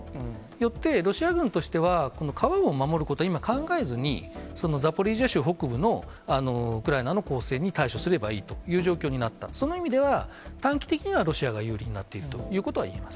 よって、ロシア軍としてはこの川を守ることは今、考えずに、そのザポリージャ州北部のウクライナの攻勢に対処すればいいという状況になった、その意味では短期的にはロシアが有利になっているということはいえます。